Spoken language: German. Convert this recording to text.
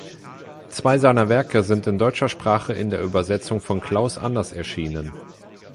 Zwei seiner Werke sind in deutscher Sprache in der Übersetzung von Klaus Anders erschienen.